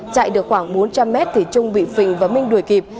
chạy được khoảng bốn trăm linh mét thì trung bị phình và minh đuổi kịp